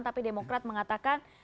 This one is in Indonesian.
tapi demokrat mengatakan